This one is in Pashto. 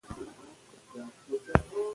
اقلیم د افغانستان طبعي ثروت دی.